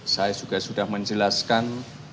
saya juga sudah menjelaskan